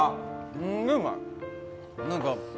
すんげえうまい！